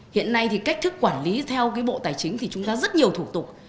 hiện nay thì cách thức quản lý theo cái bộ tài chính thì chúng ta rất nhiều thủ tục